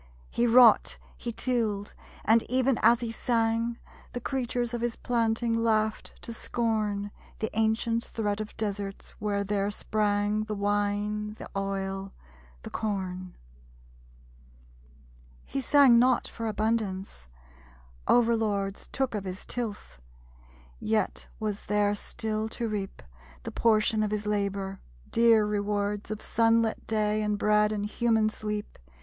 He wrought, he tilled; and even as he sang, The creatures of his planting laughed to scorn The ancient threat of deserts where there sprang The wine, the oil, the corn! He sang not for abundance. Over lords Took of his tilth. Yet was there still to reap, The portion of his labor; dear rewards Of sunlit day, and bread, and human sleep.